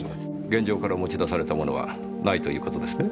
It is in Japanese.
現場から持ち出されたものはないという事ですね？